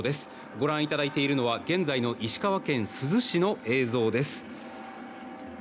ご覧いただいているのは現在の石川県珠洲市の映像です。